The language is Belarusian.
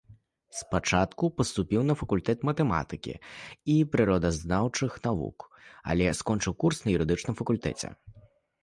Спачатку паступіў на факультэт матэматыкі і прыродазнаўчых навук, але скончыў курс на юрыдычным факультэце.